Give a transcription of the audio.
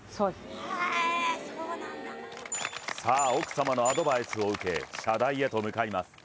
奥様のアドバイスを受け射台へと向かいます。